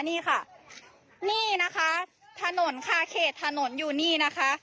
นี่ค่ะนี่นะคะถนนคาเขตถนนอยู่นี่นะคะ